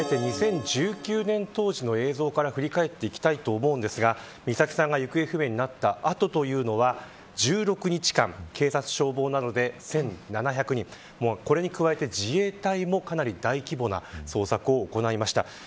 あらためて、２０１９年当時の映像から振り返っていきたいと思いますが、美咲さんが行方不明になったというのは１６日間、警察、消防などで１７００人、これに加えて自衛隊もかなり大規模な捜索を行いました。